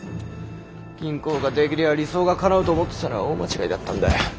銀行が出来りゃ理想がかなうと思ってたのは大間違いだったんだ！